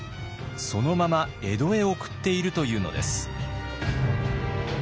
そのまま江戸へ送っているというのです。